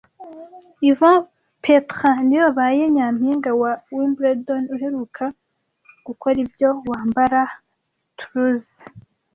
Yvon Petra niwe wabaye nyampinga wa Wimbledon uheruka gukora ibyo Wambara Trousers